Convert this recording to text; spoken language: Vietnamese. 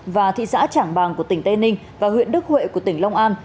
và thị xã trảng bàng của tỉnh tây ninh và huyện đức huệ của tỉnh long an